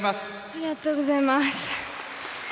ありがとうございます。